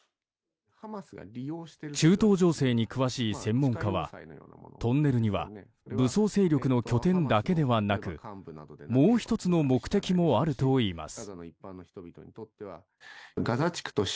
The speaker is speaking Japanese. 中東情勢に詳しい専門家はトンネルには武装勢力の拠点だけではなくもう１つの目的もあるといいます。